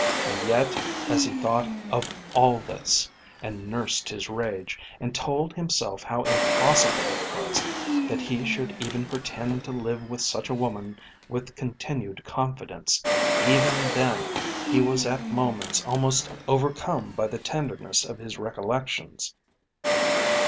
And yet as he thought of all this, and nursed his rage, and told himself how impossible it was that he should even pretend to live with such a woman with continued confidence, even then he was at moments almost overcome by the tenderness of his recollections.